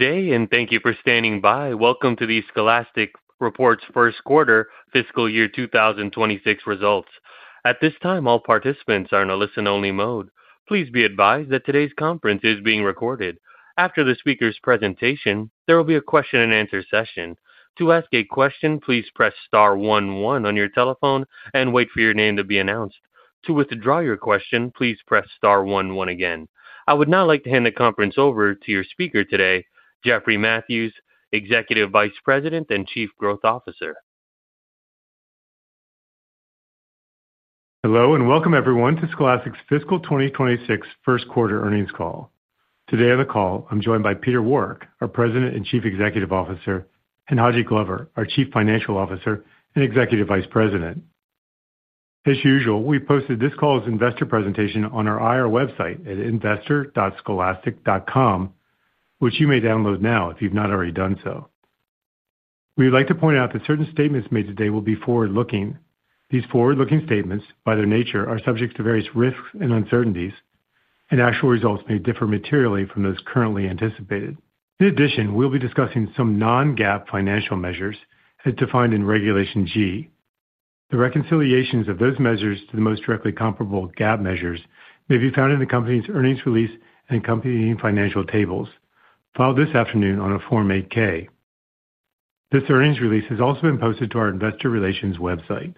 Day and thank you for standing by. Welcome to the Scholastic Corporation's first quarter fiscal year 2026 results. At this time, all participants are in a listen-only mode. Please be advised that today's conference is being recorded. After the speaker's presentation, there will be a question and answer session. To ask a question, please press star one one on your telephone and wait for your name to be announced. To withdraw your question, please press star one one again. I would now like to hand the conference over to your speaker today, Jeffrey Mathews, Executive Vice President and Chief Growth Officer. Hello and welcome everyone to Scholastic's fiscal 2026 first quarter earnings call. Today on the call, I'm joined by Peter Warwick, our President and Chief Executive Officer, and Haji Glover, our Chief Financial Officer and Executive Vice President. As usual, we posted this call's investor presentation on our IR website at investor.scholastic.com, which you may download now if you've not already done so. We would like to point out that certain statements made today will be forward-looking. These forward-looking statements, by their nature, are subject to various risks and uncertainties, and actual results may differ materially from those currently anticipated. In addition, we'll be discussing some non-GAAP financial measures as defined in Regulation G. The reconciliations of those measures to the most directly comparable GAAP measures may be found in the company's earnings release and accompanying financial tables, filed this afternoon on a Form 8-K. This earnings release has also been posted to our investor relations website.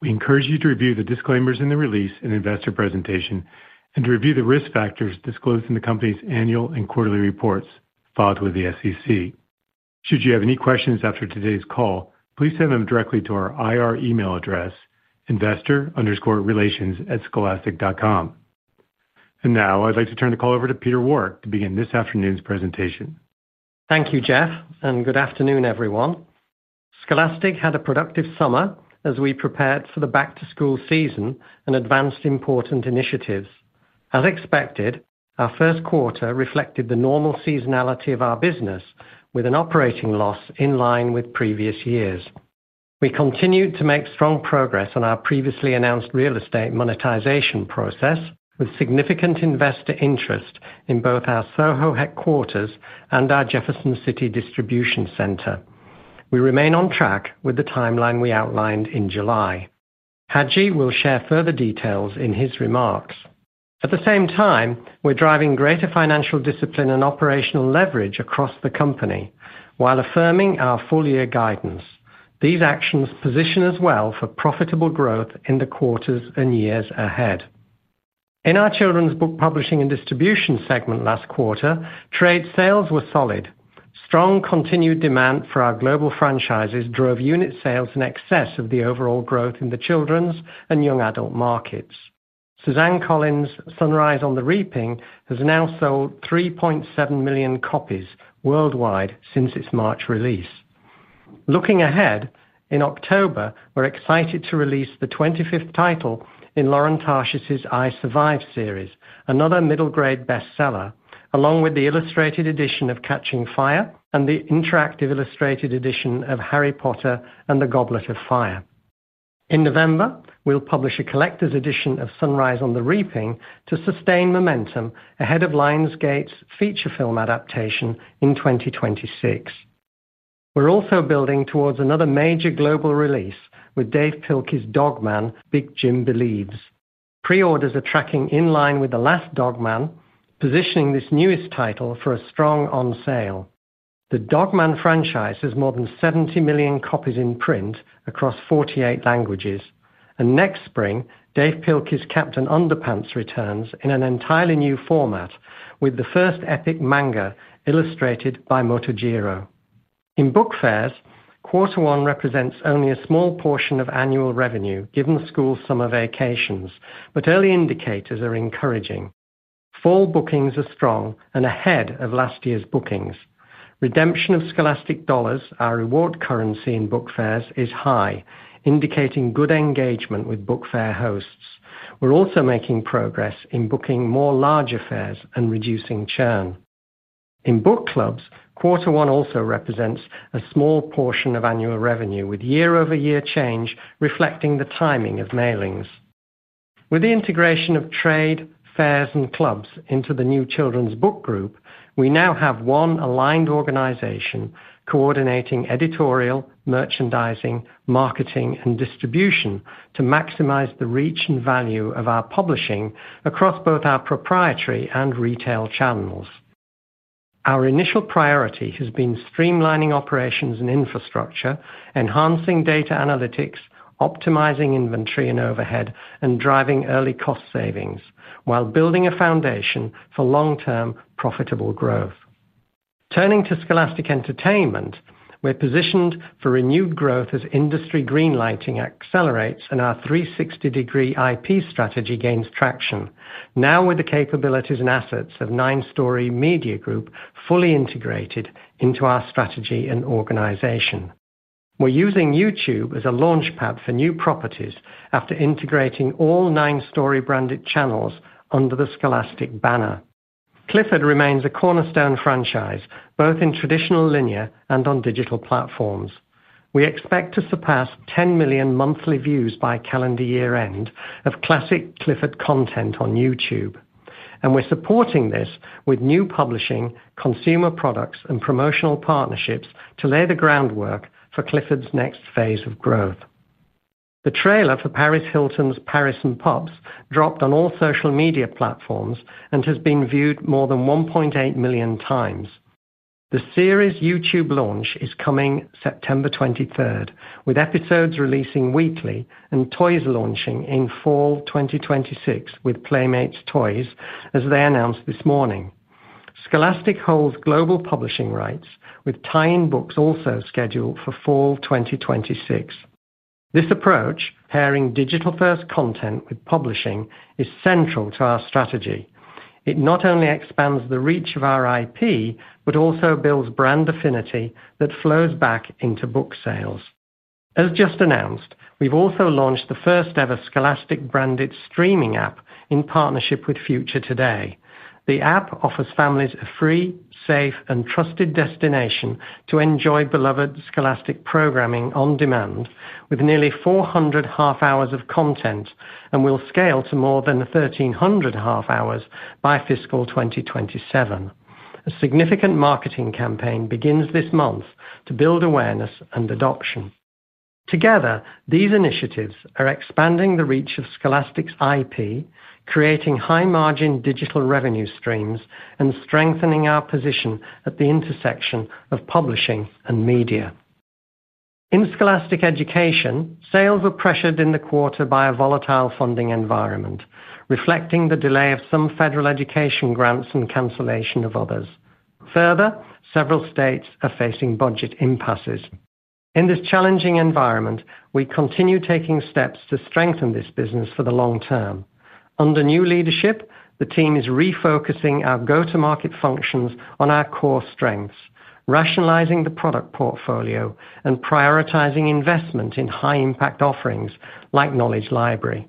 We encourage you to review the disclaimers in the release and investor presentation and to review the risk factors disclosed in the company's annual and quarterly reports filed with the SEC. Should you have any questions after today's call, please send them directly to our IR email address, investor_relations@scholastic.com. Now, I'd like to turn the call over to Peter Warwick to begin this afternoon's presentation. Thank you, Jeff, and good afternoon, everyone. Scholastic had a productive summer as we prepared for the back-to-school season and advanced important initiatives. As expected, our first quarter reflected the normal seasonality of our business, with an operating loss in line with previous years. We continued to make strong progress on our previously announced real estate monetization process, with significant investor interest in both our SoHo headquarters and our Jefferson City distribution center. We remain on track with the timeline we outlined in July. Haji will share further details in his remarks. At the same time, we're driving greater financial discipline and operational leverage across the company while affirming our full-year guidance. These actions position us well for profitable growth in the quarters and years ahead. In our Children's Book Publishing and Distribution segment last quarter, trade sales were solid. Strong continued demand for our global franchises drove unit sales in excess of the overall growth in the children's and young adult markets. Suzanne Collins' Hunger Games: Sunrise on the Reaping has now sold 3.7 million copies worldwide since its March release. Looking ahead, in October, we're excited to release the 25th title in Lauren Tarshis' I Survive series, another middle-grade bestseller, along with the illustrated edition of Catching Fire and the interactive illustrated edition of Harry Potter and the Goblet of Fire. In November, we'll publish a collector's edition of Hunger Games: Sunrise on the Reaping to sustain momentum ahead of Lionsgate's feature film adaptation in 2026. We're also building towards another major global release with Dave Pilkey's Dogman, Big Jim Believes. Pre-orders are tracking in line with the last Dogman, positioning this newest title for a strong on-sale. The Dogman franchise has more than 70 million copies in print across 48 languages, and next spring, Dave Pilkey's Captain Underpants returns in an entirely new format with the first epic manga illustrated by Motojiro. In Book Fairs, quarter one represents only a small portion of annual revenue given school summer vacations, but early indicators are encouraging. Fall bookings are strong and ahead of last year's bookings. Redemption of Scholastic dollars, our reward currency in Book Fairs, is high, indicating good engagement with Book Fair hosts. We're also making progress in booking more larger fairs and reducing churn. In Book Clubs, quarter one also represents a small portion of annual revenue, with year-over-year change reflecting the timing of mailings. With the integration of Trade, Fairs, and Clubs into the new Children's Book Group, we now have one aligned organization coordinating editorial, merchandising, marketing, and distribution to maximize the reach and value of our publishing across both our proprietary and retail channels. Our initial priority has been streamlining operations and infrastructure, enhancing data analytics, optimizing inventory and overhead, and driving early cost savings while building a foundation for long-term profitable growth. Turning to Scholastic Entertainment, we're positioned for renewed growth as industry green lighting accelerates and our 360-degree IP strategy gains traction, now with the capabilities and assets of 9 Story Media Group fully integrated into our strategy and organization. We're using YouTube as a launchpad for new properties after integrating all 9 Story branded channels under the Scholastic banner. Clifford remains a cornerstone franchise, both in traditional linear and on digital platforms. We expect to surpass 10 million monthly views by calendar year-end of classic Clifford content on YouTube. We are supporting this with new publishing, consumer products, and promotional partnerships to lay the groundwork for Clifford's next phase of growth. The trailer for Paris Hilton's Paris and Pups dropped on all social media platforms and has been viewed more than 1.8 million times. The series' YouTube launch is coming September 23, with episodes releasing weekly and toys launching in Fall 2026 with Playmates Toys, as they announced this morning. Scholastic holds global publishing rights, with tie-in books also scheduled for Fall 2026. This approach, pairing digital-first content with publishing, is central to our strategy. It not only expands the reach of our IP, but also builds brand affinity that flows back into book sales. As just announced, we've also launched the first-ever Scholastic-branded streaming app in partnership with Future Today. The app offers families a free, safe, and trusted destination to enjoy beloved Scholastic programming on demand, with nearly 400 half hours of content and will scale to more than 1,300 half hours by fiscal 2027. A significant marketing campaign begins this month to build awareness and adoption. Together, these initiatives are expanding the reach of Scholastic's IP, creating high-margin digital revenue streams, and strengthening our position at the intersection of publishing and media. In Scholastic Education, sales were pressured in the quarter by a volatile funding environment, reflecting the delay of some federal education grants and cancellation of others. Further, several states are facing budget impasses. In this challenging environment, we continue taking steps to strengthen this business for the long term. Under new leadership, the team is refocusing our go-to-market functions on our core strengths, rationalizing the product portfolio, and prioritizing investment in high-impact offerings like Knowledge Library.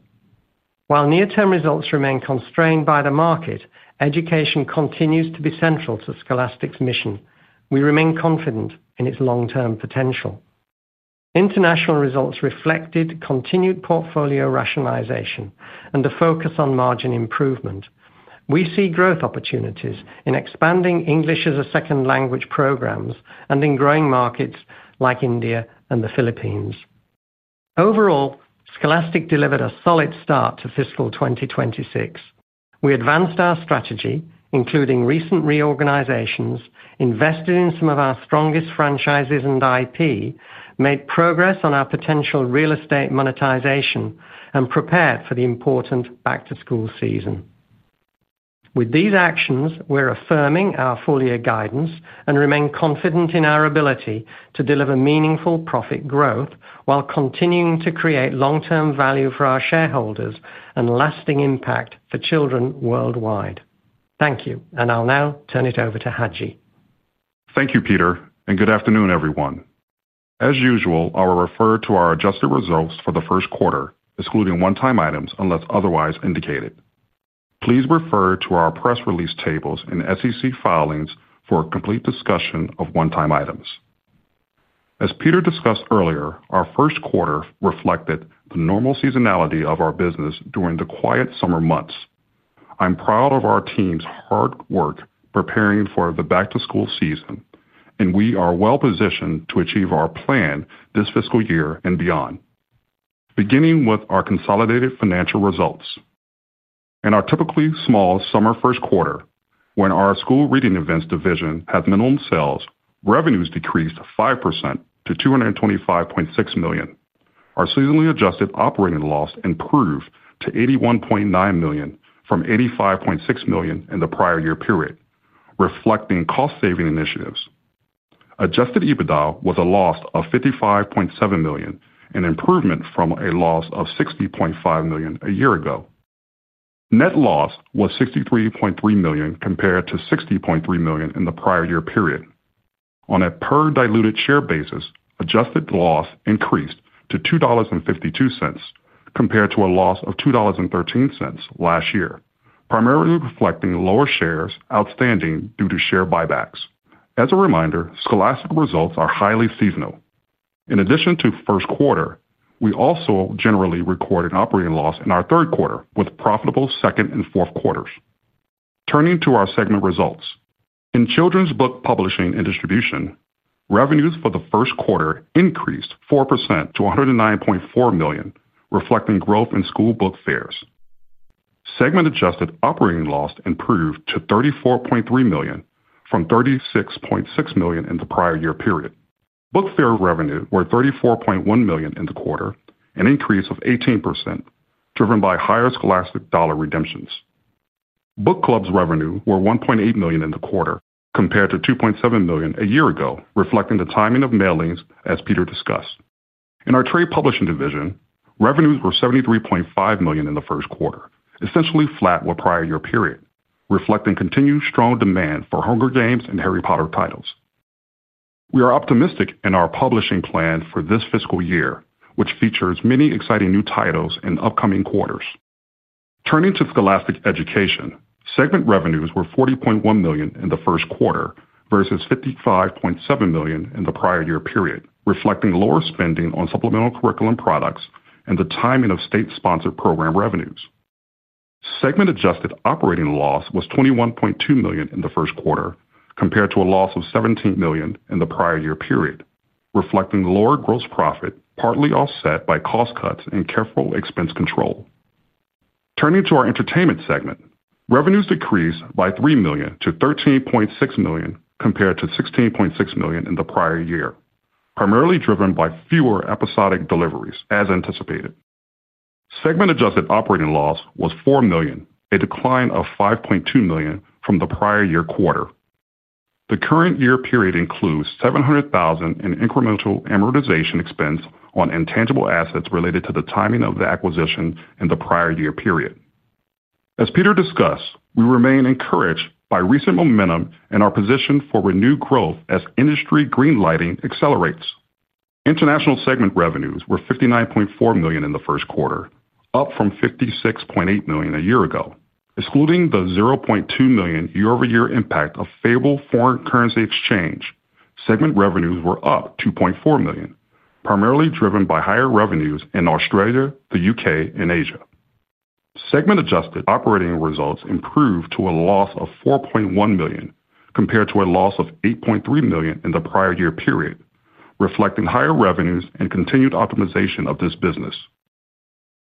While near-term results remain constrained by the market, education continues to be central to Scholastic's mission. We remain confident in its long-term potential. International results reflected continued portfolio rationalization and a focus on margin improvement. We see growth opportunities in expanding English as a second language programs and in growing markets like India and the Philippines. Overall, Scholastic delivered a solid start to fiscal 2026. We advanced our strategy, including recent reorganizations, invested in some of our strongest franchises and IP, made progress on our potential real estate monetization, and prepared for the important back-to-school season. With these actions, we're affirming our full-year guidance and remain confident in our ability to deliver meaningful profit growth while continuing to create long-term value for our shareholders and lasting impact for children worldwide. Thank you, and I'll now turn it over to Haji. Thank you, Peter, and good afternoon, everyone. As usual, I will refer to our adjusted results for the first quarter, excluding one-time items unless otherwise indicated. Please refer to our press release tables in SEC filings for a complete discussion of one-time items. As Peter discussed earlier, our first quarter reflected the normal seasonality of our business during the quiet summer months. I'm proud of our team's hard work preparing for the back-to-school season, and we are well positioned to achieve our plan this fiscal year and beyond. Beginning with our consolidated financial results. In our typically small summer first quarter, when our School Reading Events division had minimum sales, revenues decreased 5% to $225.6 million. Our seasonally adjusted operating loss improved to $81.9 million from $85.6 million in the prior year period, reflecting cost-saving initiatives. Adjusted EBITDA was a loss of $55.7 million, an improvement from a loss of $60.5 million a year ago. Net loss was $63.3 million compared to $60.3 million in the prior year period. On a per diluted share basis, adjusted loss increased to $2.52 compared to a loss of $2.13 last year, primarily reflecting lower shares outstanding due to share buybacks. As a reminder, Scholastic results are highly seasonal. In addition to the first quarter, we also generally record an operating loss in our third quarter with profitable second and fourth quarters. Turning to our segment results. In Children's Book Publishing and Distribution, revenues for the first quarter increased 4% to $109.4 million, reflecting growth in School Book Fairs. Segment-adjusted operating loss improved to $34.3 million from $36.6 million in the prior year period. Book Fair revenue was $34.1 million in the quarter, an increase of 18%, driven by higher Scholastic dollar redemptions. Book Clubs revenue was $1.8 million in the quarter compared to $2.7 million a year ago, reflecting the timing of mailings, as Peter discussed. In our Trade Publishing division, revenues were $73.5 million in the first quarter, essentially flat with the prior year period, reflecting continued strong demand for Hunger Games and Harry Potter titles. We are optimistic in our publishing plan for this fiscal year, which features many exciting new titles in upcoming quarters. Turning to Scholastic Education, segment revenues were $40.1 million in the first quarter versus $55.7 million in the prior year period, reflecting lower spending on supplemental curriculum products and the timing of state-sponsored program revenues. Segment-adjusted operating loss was $21.2 million in the first quarter compared to a loss of $17 million in the prior year period, reflecting lower gross profit partly offset by cost cuts and careful expense control. Turning to our Entertainment Segment, revenues decreased by $3 million to $13.6 million compared to $16.6 million in the prior year, primarily driven by fewer episodic deliveries as anticipated. Segment-adjusted operating loss was $4 million, a decline of $5.2 million from the prior year quarter. The current year period includes $700,000 in incremental amortization expense on intangible assets related to the timing of the acquisition in the prior year period. As Peter discussed, we remain encouraged by recent momentum and our position for renewed growth as industry green lighting accelerates. International Segment revenues were $59.4 million in the first quarter, up from $56.8 million a year ago. Excluding the $0.2 million year-over-year impact of favorable foreign currency exchange, segment revenues were up $2.4 million, primarily driven by higher revenues in Australia, the UK, and Asia. Segment-adjusted operating results improved to a loss of $4.1 million compared to a loss of $8.3 million in the prior year period, reflecting higher revenues and continued optimization of this business.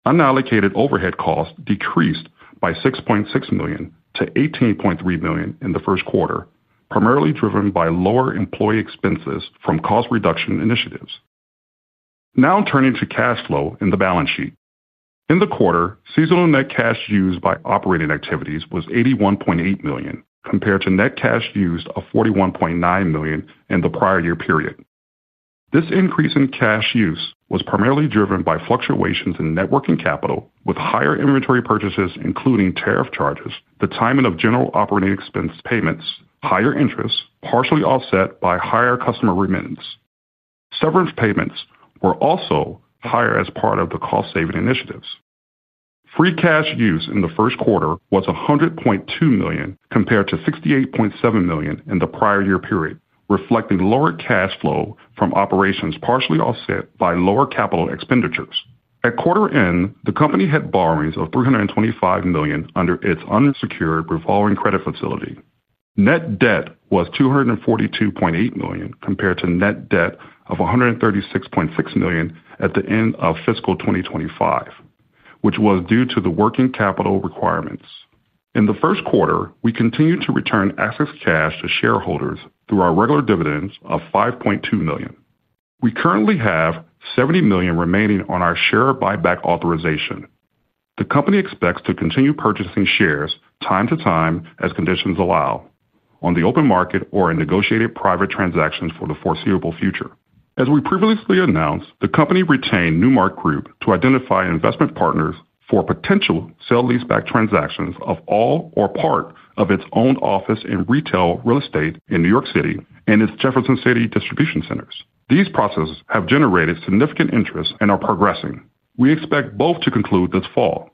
Unallocated overhead costs decreased by $6.6 million to $18.3 million in the first quarter, primarily driven by lower employee expenses from cost reduction initiatives. Now turning to cash flow and the balance sheet. In the quarter, seasonal net cash used by operating activities was $81.8 million compared to net cash used of $41.9 million in the prior year period. This increase in cash use was primarily driven by fluctuations in net working capital, with higher inventory purchases including tariff charges, the timing of general operating expense payments, higher interest, partially offset by higher customer remittance. Severance payments were also higher as part of the cost-saving initiatives. Free cash use in the first quarter was $100.2 million compared to $68.7 million in the prior year period, reflecting lower cash flow from operations partially offset by lower capital expenditures. At quarter end, the company had borrowings of $325 million under its unsecured revolving credit facility. Net debt was $242.8 million compared to net debt of $136.6 million at the end of fiscal 2025, which was due to the working capital requirements. In the first quarter, we continued to return excess cash to shareholders through our regular dividends of $5.2 million. We currently have $70 million remaining on our share buyback authorization. The company expects to continue purchasing shares from time to time as conditions allow on the open market or in negotiated private transactions for the foreseeable future. As we previously announced, the company retained Newmark Group to identify investment partners for potential sale-leaseback transactions of all or part of its owned office and retail real estate in New York City and its Jefferson City distribution centers. These processes have generated significant interest and are progressing. We expect both to conclude this fall.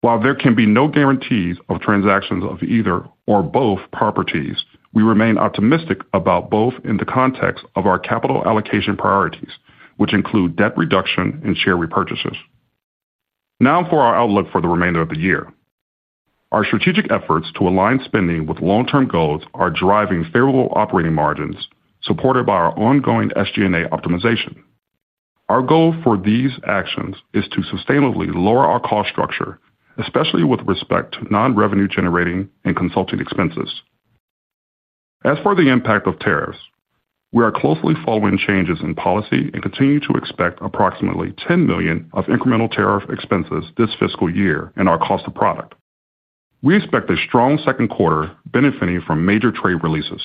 While there can be no guarantees of transactions of either or both properties, we remain optimistic about both in the context of our capital allocation priorities, which include debt reduction and share repurchases. Now for our outlook for the remainder of the year. Our strategic efforts to align spending with long-term goals are driving favorable operating margins, supported by our ongoing SG&A optimization. Our goal for these actions is to sustainably lower our cost structure, especially with respect to non-revenue-generating and consulting expenses. As for the impact of tariffs, we are closely following changes in policy and continue to expect approximately $10 million of incremental tariff expenses this fiscal year in our cost of product. We expect a strong second quarter benefiting from major trade releases.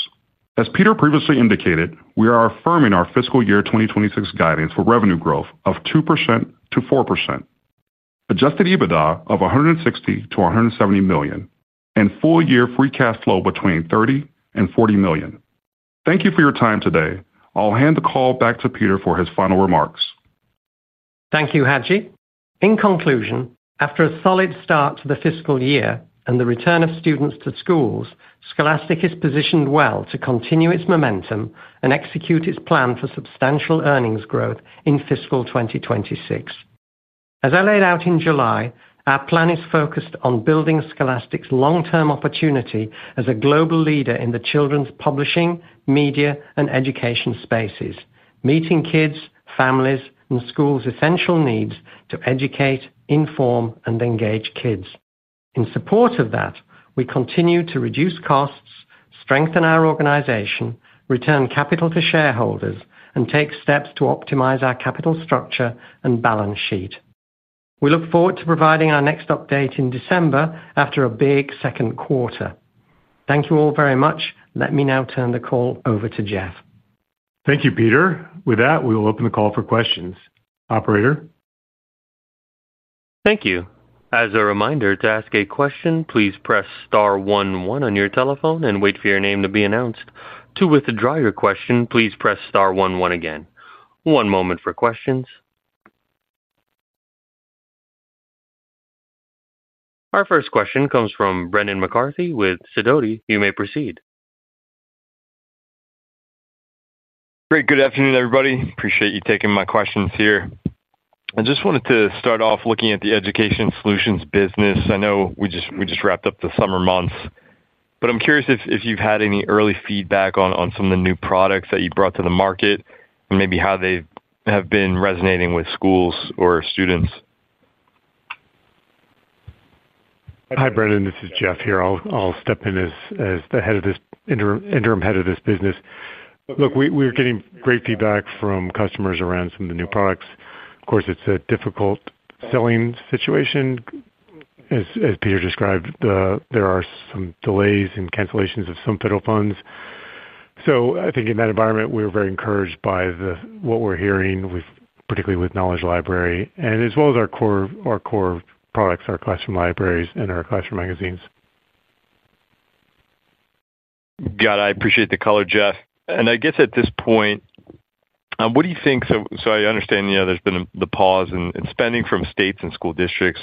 As Peter previously indicated, we are affirming our fiscal year 2026 guidance for revenue growth of 2% to 4%, adjusted EBITDA of $160 to $170 million, and full-year free cash flow between $30 and $40 million. Thank you for your time today. I'll hand the call back to Peter for his final remarks. Thank you, Haji. In conclusion, after a solid start to the fiscal year and the return of students to schools, Scholastic is positioned well to continue its momentum and execute its plan for substantial earnings growth in fiscal 2026. As I laid out in July, our plan is focused on building Scholastic's long-term opportunity as a global leader in the children's publishing, media, and education spaces, meeting kids, families, and schools' essential needs to educate, inform, and engage kids. In support of that, we continue to reduce costs, strengthen our organization, return capital to shareholders, and take steps to optimize our capital structure and balance sheet. We look forward to providing our next update in December after a big second quarter. Thank you all very much. Let me now turn the call over to Jeff. Thank you, Peter. With that, we will open the call for questions. Operator? Thank you. As a reminder, to ask a question, please press star one one on your telephone and wait for your name to be announced. To withdraw your question, please press star one one again. One moment for questions. Our first question comes from Brendan McCarthy with Sidoti & Company. You may proceed. Great. Good afternoon, everybody. Appreciate you taking my questions here. I just wanted to start off looking at the Education Solutions business. I know we just wrapped up the summer months, but I'm curious if you've had any early feedback on some of the new products that you brought to the market and maybe how they have been resonating with schools or students. Hi, Brendan. This is Jeff here. I'll step in as the interim head of this business. Look, we're getting great feedback from customers around some of the new products. Of course, it's a difficult selling situation. As Peter described, there are some delays and cancellations of some federal funds. In that environment, we're very encouraged by what we're hearing, particularly with Knowledge Library as well as our core products, our classroom libraries, and our classroom magazines. Got it. I appreciate the color, Jeff. I guess at this point, what do you think, so I understand, yeah, there's been the pause in spending from states and school districts.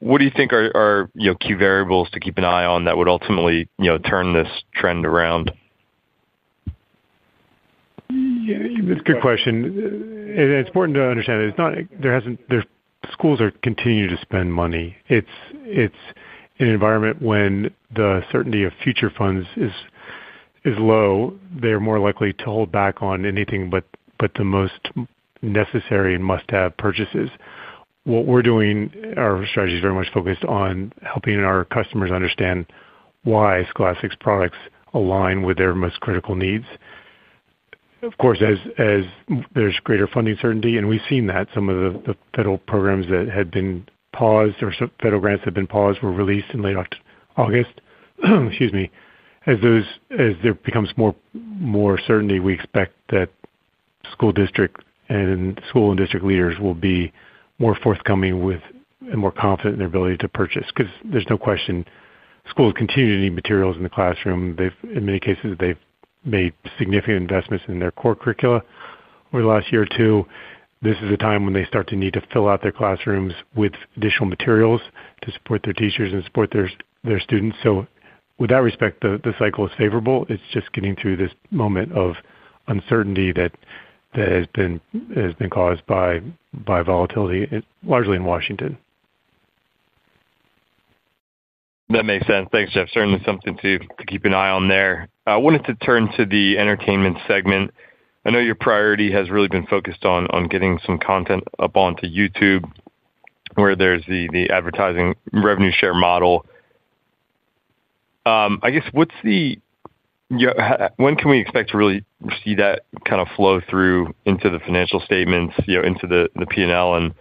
What do you think are key variables to keep an eye on that would ultimately turn this trend around? That's a good question. It's important to understand that schools are continuing to spend money. It's an environment when the certainty of future funds is low. They're more likely to hold back on anything but the most necessary and must-have purchases. What we're doing, our strategy is very much focused on helping our customers understand why Scholastic's products align with their most critical needs. Of course, as there's greater funding certainty, and we've seen that some of the federal programs that had been paused or federal grants that had been paused were released in late August. As there becomes more certainty, we expect that school district and school and district leaders will be more forthcoming and more confident in their ability to purchase because there's no question schools continue to need materials in the classroom. In many cases, they've made significant investments in their core curricula over the last year or two. This is a time when they start to need to fill out their classrooms with additional materials to support their teachers and support their students. With that respect, the cycle is favorable. It's just getting through this moment of uncertainty that has been caused by volatility largely in Washington. That makes sense. Thanks, Jeff. Certainly something to keep an eye on there. I wanted to turn to the Entertainment Segment. I know your priority has really been focused on getting some content up onto YouTube, where there's the advertising revenue share model. I guess, when can we expect to really see that kind of flow through into the financial statements, you know, into the P&L?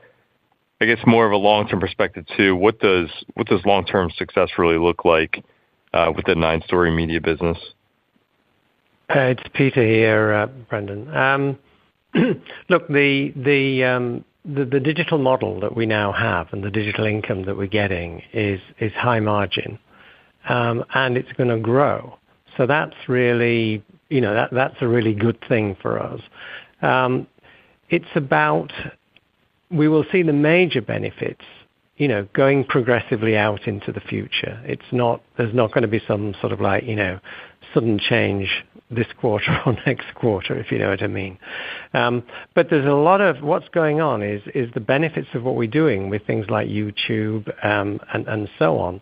I guess more of a long-term perspective too, what does long-term success really look like with the 9 Story Media Group business? It's Peter here, Brendan. Look, the digital model that we now have and the digital income that we're getting is high margin, and it's going to grow. That's a really good thing for us. We will see the major benefits going progressively out into the future. There's not going to be some sort of sudden change this quarter or next quarter, if you know what I mean. A lot of what's going on is the benefits of what we're doing with things like YouTube and so on.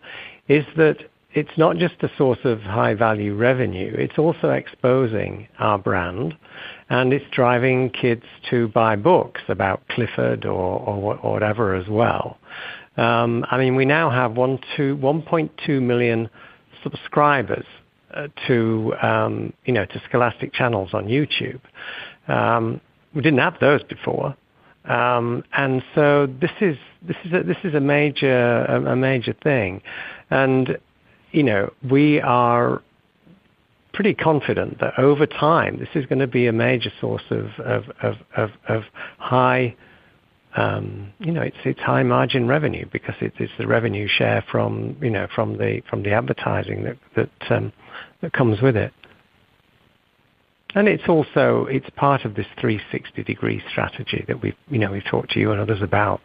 It's not just a source of high-value revenue. It's also exposing our brand, and it's driving kids to buy books about Clifford or whatever as well. We now have 1.2 million subscribers to Scholastic channels on YouTube. We didn't have those before. This is a major thing. We are pretty confident that over time, this is going to be a major source of high margin revenue because it's the revenue share from the advertising that comes with it. It's also part of this 360-degree IP strategy that we've talked to you and others about.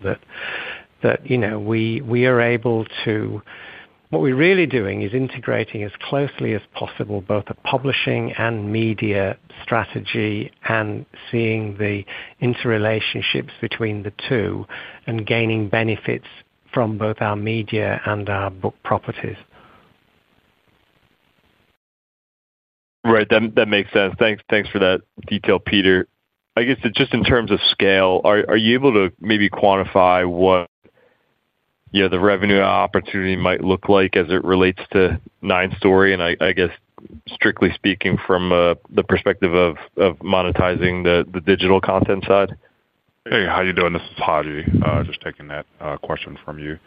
We are able to, what we're really doing is integrating as closely as possible both a publishing and media strategy and seeing the interrelationships between the two and gaining benefits from both our media and our book properties. Right. That makes sense. Thanks for that detail, Peter. I guess just in terms of scale, are you able to maybe quantify what the revenue opportunity might look like as it relates to Nine Story Media Group? I guess strictly speaking from the perspective of monetizing the digital content side. Hey, how are you doing? This is Haji. Just taking that question from you.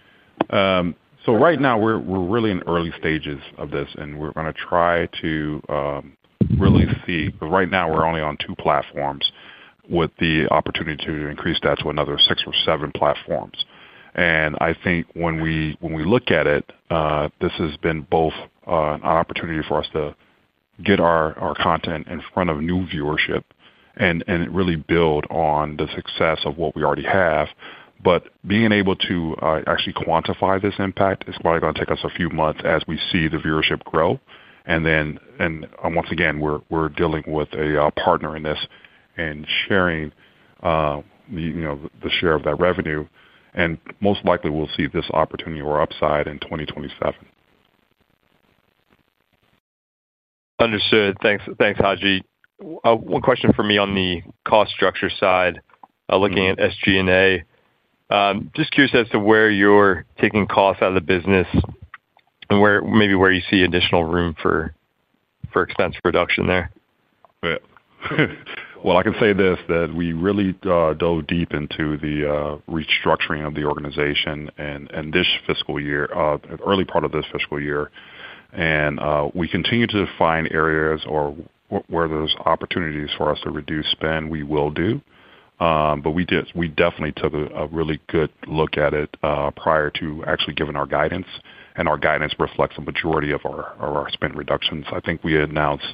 Right now, we're really in early stages of this, and we're going to try to really see, because right now we're only on two platforms with the opportunity to increase that to another six or seven platforms. I think when we look at it, this has been both an opportunity for us to get our content in front of new viewership and really build on the success of what we already have. Being able to actually quantify this impact is probably going to take us a few months as we see the viewership grow. Once again, we're dealing with a partner in this and sharing the share of that revenue. Most likely, we'll see this opportunity or upside in 2027. Understood. Thanks, Haji. One question for me on the cost structure side, looking at SG&A. Just curious as to where you're taking costs out of the business and maybe where you see additional room for expense reduction there. I can say this, that we really dove deep into the restructuring of the organization in this fiscal year, an early part of this fiscal year. We continue to find areas where there's opportunities for us to reduce spend. We will do that. We definitely took a really good look at it prior to actually giving our guidance, and our guidance reflects a majority of our spend reductions. I think we announced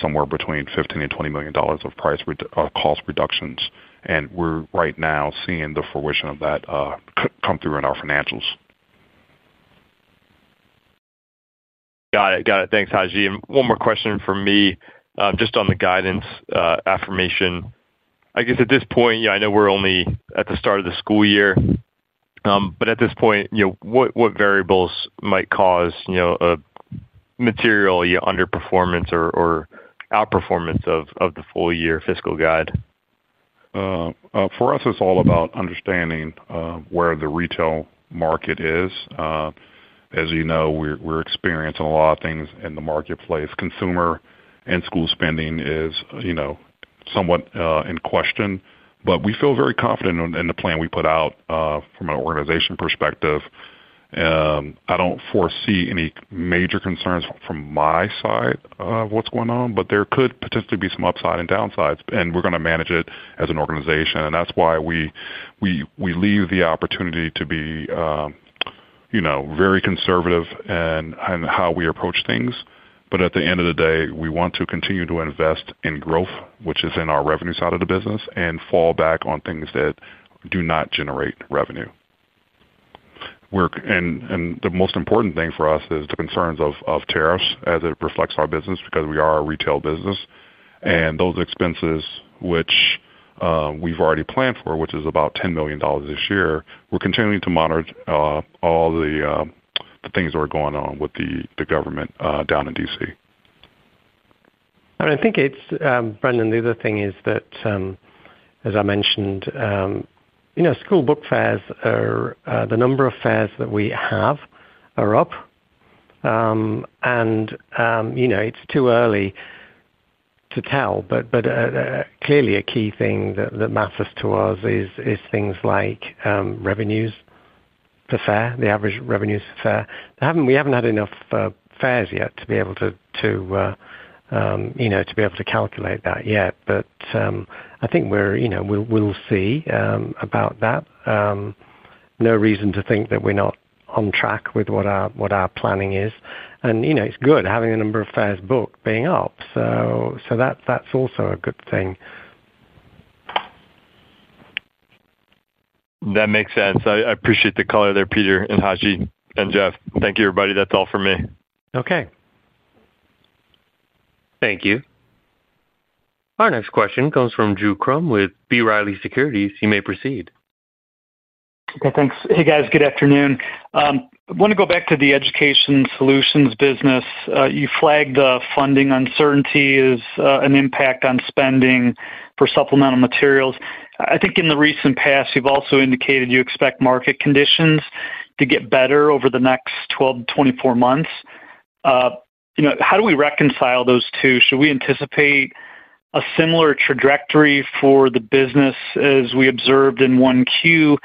somewhere between $15 million and $20 million of cost reductions, and we're right now seeing the fruition of that come through in our financials. Got it. Thanks, Haji. One more question from me, just on the guidance affirmation. I guess at this point, I know we're only at the start of the school year, but at this point, what variables might cause a material underperformance or outperformance of the full year fiscal guide? For us, it's all about understanding where the retail market is. As you know, we're experiencing a lot of things in the marketplace. Consumer and school spending is somewhat in question. We feel very confident in the plan we put out from an organization perspective. I don't foresee any major concerns from my side of what's going on. There could potentially be some upside and downsides, and we're going to manage it as an organization. That's why we leave the opportunity to be very conservative in how we approach things. At the end of the day, we want to continue to invest in growth, which is in our revenue side of the business, and fall back on things that do not generate revenue. The most important thing for us is the concerns of tariffs as it reflects our business because we are a retail business. Those expenses, which we've already planned for, which is about $10 million this year, we're continuing to monitor all the things that are going on with the government down in D.C. I think it's, Brendan, the other thing is that, as I mentioned, you know, school Book Fairs are the number of fairs that we have are up. It's too early to tell, but clearly a key thing that matters to us is things like revenues per fair, the average revenues per fair. We haven't had enough fairs yet to be able to calculate that yet. I think we're, you know, we'll see about that. There is no reason to think that we're not on track with what our planning is. It's good having a number of fairs booked being up. That's also a good thing. That makes sense. I appreciate the color there, Peter, Haji, and Jeff. Thank you, everybody. That's all for me. Okay. Thank you. Our next question comes from Drew Crum with B. Riley Securities. You may proceed. Okay, thanks. Hey guys, good afternoon. I want to go back to the Education Solutions business. You flagged the funding uncertainty as an impact on spending for supplemental materials. I think in the recent past, you've also indicated you expect market conditions to get better over the next 12 to 24 months. How do we reconcile those two? Should we anticipate a similar trajectory for the business as we observed in 1Q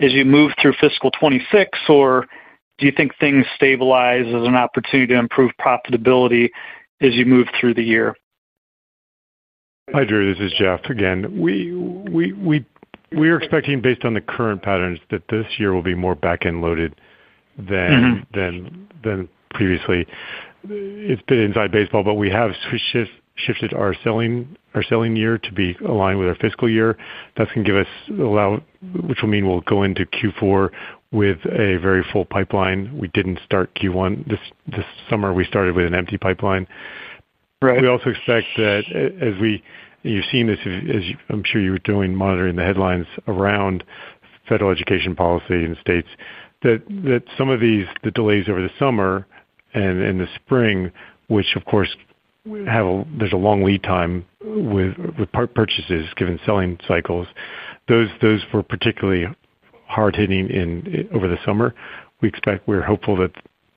as you move through fiscal 2026, or do you think things stabilize as an opportunity to improve profitability as you move through the year? Hi, Drew. This is Jeff again. We are expecting, based on the current patterns, that this year will be more back-end loaded than previously. It's been inside baseball, but we have shifted our selling year to be aligned with our fiscal year. That's going to give us, which will mean we'll go into Q4 with a very full pipeline. We didn't start Q1 this summer. We started with an empty pipeline. We also expect that as we, you've seen this, as I'm sure you're doing, monitoring the headlines around federal education policy in states, that some of these, the delays over the summer and in the spring, which of course have a, there's a long lead time with purchases given selling cycles. Those were particularly hard hitting over the summer. We expect, we're hopeful that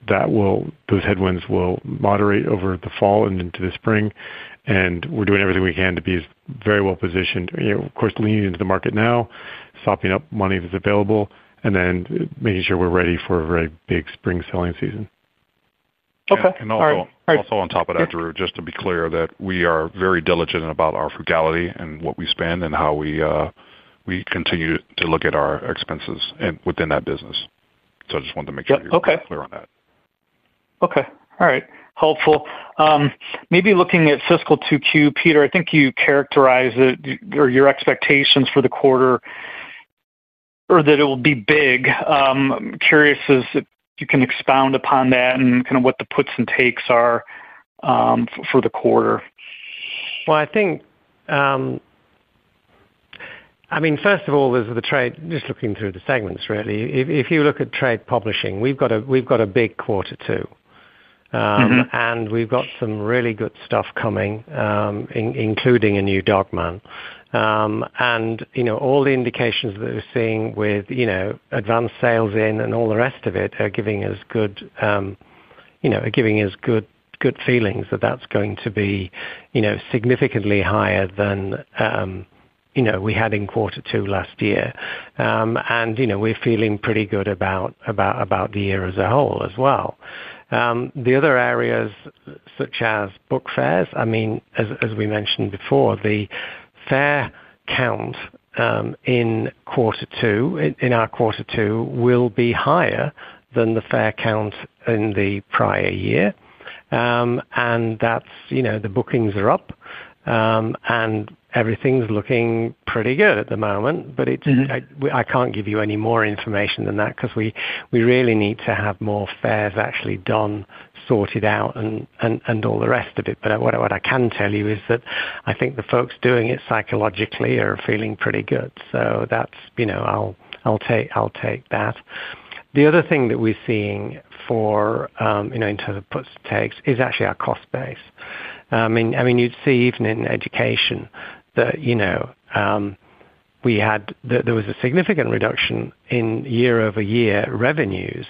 those headwinds will moderate over the fall and into the spring. We are doing everything we can to be very well positioned. Of course, leaning into the market now, sopping up money that's available, and then making sure we're ready for a very big spring selling season. Okay. Also, Drew, just to be clear, we are very diligent about our frugality and what we spend and how we continue to look at our expenses within that business. I just wanted to make sure you're clear on that. Okay. All right. Helpful. Maybe looking at fiscal 2Q, Peter, I think you characterize it or your expectations for the quarter are that it will be big. I'm curious if you can expound upon that and kind of what the puts and takes are for the quarter. First of all, just looking through the segments, really. If you look at Trade Publishing, we've got a big quarter two. We've got some really good stuff coming, including a new Dogman. All the indications that we're seeing with advanced sales in and all the rest of it are giving us good feelings that that's going to be significantly higher than we had in quarter two last year. We're feeling pretty good about the year as a whole as well. The other areas such as Book Fairs, as we mentioned before, the fair count in quarter two, in our quarter two, will be higher than the fair count in the prior year. The bookings are up. Everything's looking pretty good at the moment. I can't give you any more information than that because we really need to have more fairs actually done, sorted out, and all the rest of it. What I can tell you is that I think the folks doing it psychologically are feeling pretty good. I'll take that. The other thing that we're seeing in terms of puts and takes is actually our cost base. You'd see even in Education that we had, there was a significant reduction in year-over-year revenues,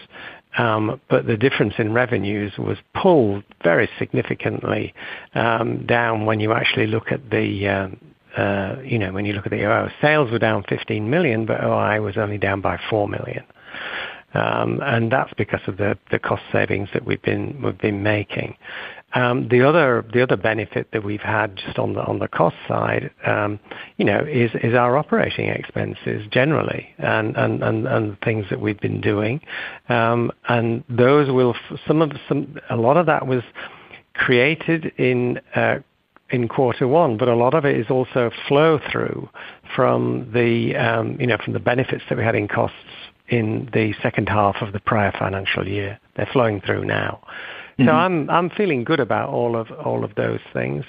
but the difference in revenues was pulled very significantly down when you actually look at the OI. Sales were down $15 million, but OI was only down by $4 million. That's because of the cost savings that we've been making. The other benefit that we've had just on the cost side is our operating expenses generally and the things that we've been doing. Some of them, a lot of that was created in quarter one, but a lot of it is also flow-through from the benefits that we had in costs in the second half of the prior financial year. They're flowing through now. I'm feeling good about all of those things.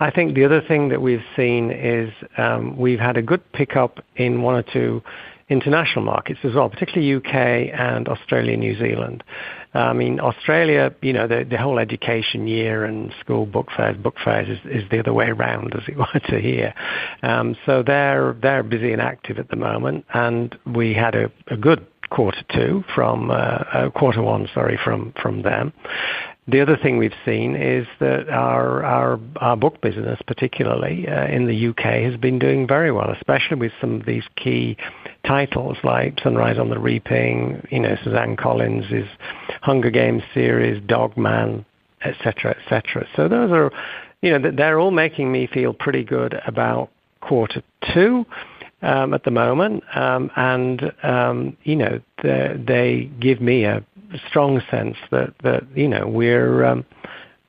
The other thing that we've seen is we've had a good pickup in one or two international markets as well, particularly UK and Australia, New Zealand. Australia, the whole education year and school Book Fairs, Book Fairs is the other way around, as it were to here. They're busy and active at the moment. We had a good quarter one from them. The other thing we've seen is that our book business, particularly in the UK, has been doing very well, especially with some of these key titles like Hunger Games: Sunrise on the Reaping, you know, Suzanne Collins' Hunger Games series, Dogman, et cetera, et cetera. Those are, you know, they're all making me feel pretty good about quarter two at the moment. They give me a strong sense that, you know,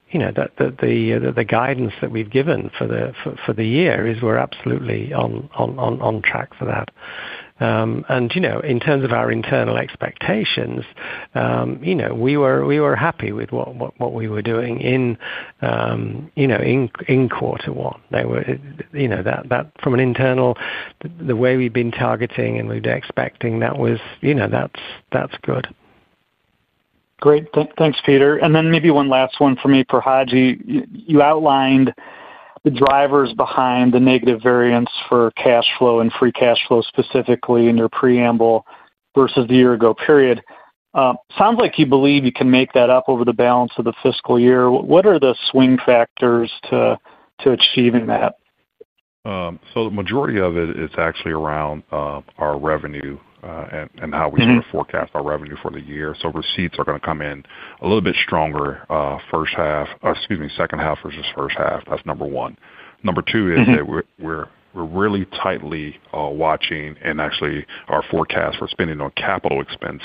the guidance that we've given for the year is we're absolutely on track for that. In terms of our internal expectations, you know, we were happy with what we were doing in, you know, in quarter one. From an internal, the way we've been targeting and we've been expecting, that was, you know, that's good. Great. Thanks, Peter. Maybe one last one for me for Haji. You outlined the drivers behind the negative variance for cash flow and free cash flow specifically in your preamble versus the year-ago period. It sounds like you believe you can make that up over the balance of the fiscal year. What are the swing factors to achieving that? The majority of it is actually around our revenue and how we sort of forecast our revenue for the year. Receipts are going to come in a little bit stronger second half versus first half. That's number one. Number two is that we're really tightly watching and actually our forecast for spending on capital expense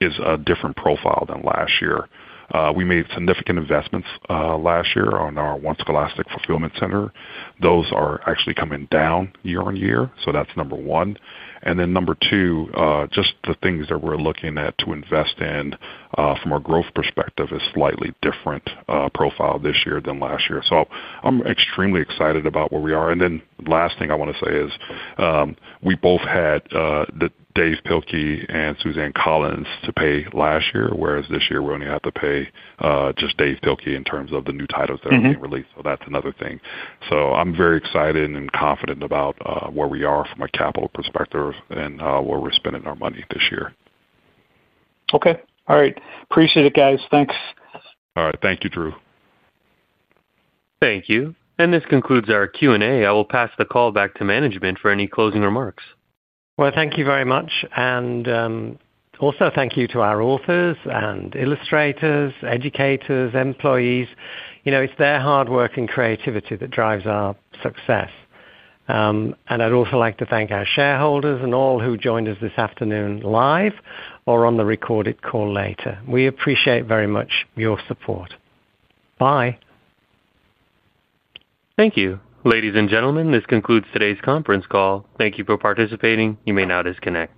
is a different profile than last year. We made significant investments last year on our One Scholastic Fulfillment Center. Those are actually coming down year on year. That's number one. Number two, just the things that we're looking at to invest in from a growth perspective is a slightly different profile this year than last year. I'm extremely excited about where we are. The last thing I want to say is we both had Dave Pilkey and Suzanne Collins to pay last year, whereas this year we only have to pay just Dave Pilkey in terms of the new titles that are being released. That's another thing. I'm very excited and confident about where we are from a capital perspective and where we're spending our money this year. Okay. All right. Appreciate it, guys. Thanks. All right. Thank you, Drew. Thank you. This concludes our Q&A. I will pass the call back to management for any closing remarks. Thank you very much. I also thank our authors and illustrators, educators, and employees. You know, it's their hard work and creativity that drives our success. I'd also like to thank our shareholders and all who joined us this afternoon live or on the recorded call later. We appreciate very much your support. Bye. Thank you. Ladies and gentlemen, this concludes today's conference call. Thank you for participating. You may now disconnect.